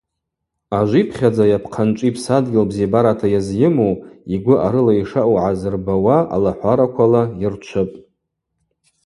Ажвипхьадза йапхъанчӏви псадгьыл бзибарата йазйыму, йгвы арыла йшаъу гӏазырбауа алахӏвараквала йырчвыпӏ.